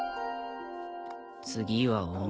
次はお前。